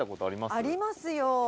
「ありますよ」